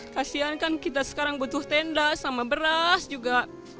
kasian kan kita sekarang butuh tenda sama beras juga